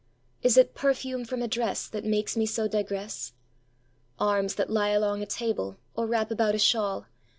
Is it perfume from a dressThat makes me so digress? Arms that lie along a table, or wrap about a shawl.